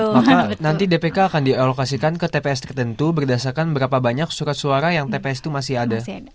maka nanti dpk akan dialokasikan ke tps tertentu berdasarkan berapa banyak surat suara yang tps itu masih ada